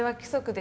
で